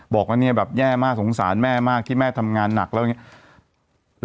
บอกว่าเนี่ยแบบแย่มากสงสารแม่มากที่แม่ทำงานหนักแล้วอย่างนี้